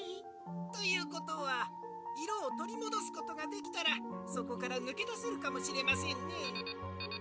「ということはいろをとりもどすことができたらそこからぬけだせるかもしれませんね」。